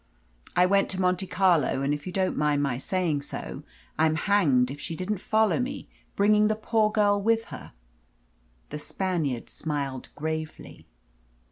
I went to Monte Carlo, and, if you don't mind my saying so, I'm hanged if she didn't follow me, bringing the poor girl with her." The Spaniard smiled gravely.